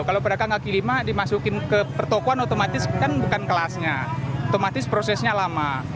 kalau pedagang kaki lima dimasukin ke pertokohan otomatis kan bukan kelasnya otomatis prosesnya lama